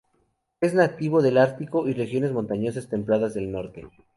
Es nativo del Ártico y regiones montañosas templadas del norte.